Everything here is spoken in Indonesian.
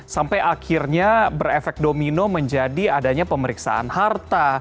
sampai akhirnya berefek domino menjadi adanya pemeriksaan harta